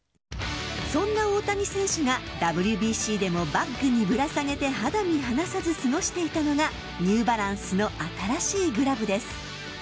そんな大谷選手がＷＢＣでもバッグにぶら下げて肌身離さず過ごしていたのがニューバランスの新しいグラブです。